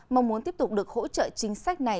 mong muốn tiếp tục được hỗ trợ chính sách này